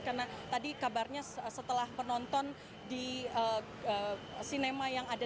karena tadi kabarnya setelah penonton di sinema yang ada